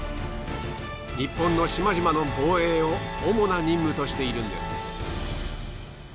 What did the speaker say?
日本の島々の防衛を主な任務としているんです。